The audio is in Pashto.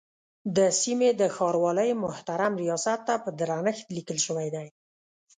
د سیمې د ښاروالۍ محترم ریاست ته په درنښت لیکل شوی دی.